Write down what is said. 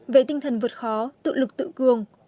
về tinh thần vượt khó tự lực tự cường